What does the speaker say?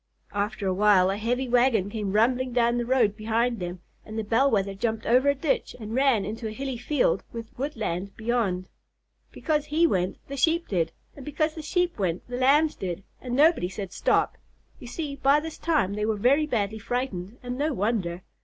After a while a heavy wagon came rumbling down the road behind them, and the Bell Wether jumped over a ditch and ran into a hilly field with woodland beyond. Because he went the Sheep did, and because the Sheep went the Lambs did, and nobody said "Stop!" You see, by this time they were very badly frightened, and no wonder.